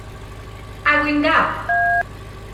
A. Guingamp.